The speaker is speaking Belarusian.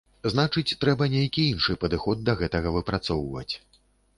Значыць трэба нейкі іншы падыход да гэтага выпрацоўваць.